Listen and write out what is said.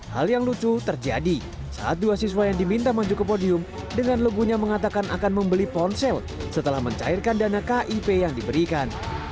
hal yang lucu terjadi saat dua siswa yang diminta maju ke podium dengan legunya mengatakan akan membeli ponsel setelah mencairkan dana kip yang diberikan